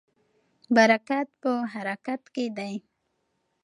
برکت په حرکت کې دی.